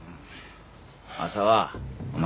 浅輪お前